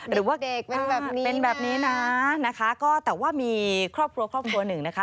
หรือว่าเป็นแบบนี้นะนะคะแต่ว่ามีครอบครัวตัวหนึ่งนะคะ